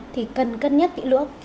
thì cần cân nhắc kỹ lưỡng